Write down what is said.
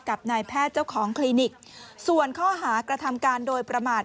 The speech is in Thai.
กับนายแพทย์เจ้าของคลินิกส่วนข้อหากระทำการโดยประมาท